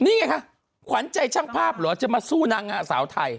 นี่ไงคะขวัญใจช่างภาพเหรอจะมาสู้นางสาวไทย